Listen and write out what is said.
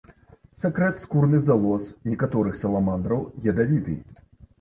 Сакрэт скурных залоз некаторых саламандраў ядавіты.